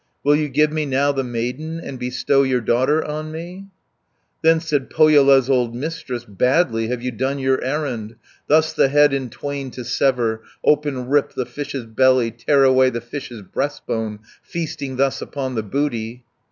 Will you give me now the maiden, And bestow your daughter on me?" 330 Then said Pohjola's old Mistress, "Badly have you done your errand, Thus the head in twain to sever, Open rip the fish's belly, Tear away the fish's breastbone, Feasting thus upon the booty."